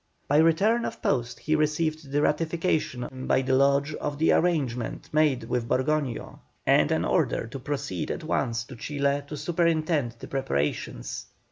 By return of post he received the ratification by the Lodge of the arrangement made with Borgoño, and an order to proceed at once to Chile to superintend the preparations.